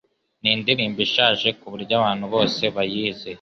Nindirimbo ishaje kuburyo abantu bose bayizi.